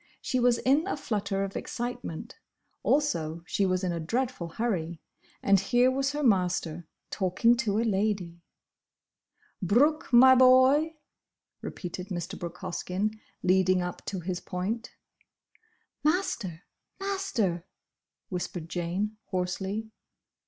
She was in a flutter of excitement; also she was in a dreadful hurry—and here was her master, talking to a lady! "'Brooke, my boy'"—repeated Mr. Brooke Hoskyn, leading up to his point. "Master—! Master—!" whispered Jane, hoarsely.